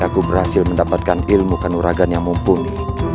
aku berhasil mendapatkan ilmu kanuragan yang mumpuni